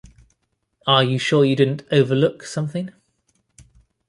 Are you sure you didn't overlook something?